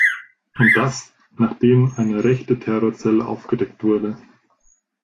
Und das, nachdem eine rechte Terrorzelle aufgedeckt wurde.